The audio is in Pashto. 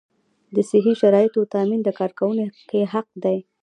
د صحي شرایطو تامین د کارکوونکي حق دی.